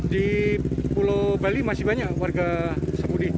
di pulau bali masih banyak warga sapudi